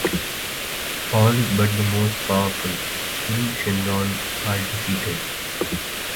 All but the most powerful, Syn Shenron, are defeated.